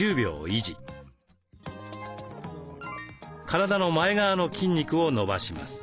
体の前側の筋肉を伸ばします。